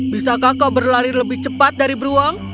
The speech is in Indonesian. bisakah kau berlari lebih cepat dari beruang